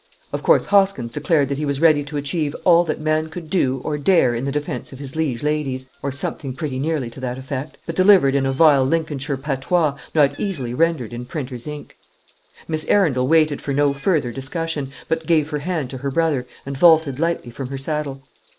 Of course Hoskins declared that he was ready to achieve all that man could do or dare in the defence of his liege ladies, or something pretty nearly to that effect; but delivered in a vile Lincolnshire patois, not easily rendered in printer's ink. Miss Arundel waited for no further discussion, but gave her hand to her brother, and vaulted lightly from her saddle.